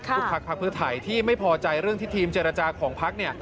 พักพักเพื่อไทยที่ไม่พอใจเรื่องที่ทีมเจรจาของพัก